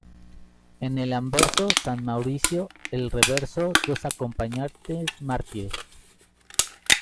En el anverso, San Mauricio; en el reverso dos acompañantes mártires.